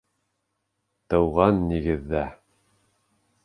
Тыуған нигеҙҙә...